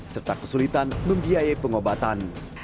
serta kesulitan membiayai pengobatan